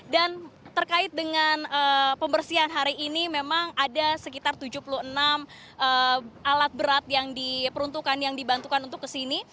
dan terkait dengan pembersihan hari ini memang ada sekitar tujuh puluh enam alat berat yang diperuntukkan yang dibantukan untuk kesini